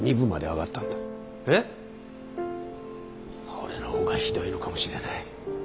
俺の方がひどいのかもしれない。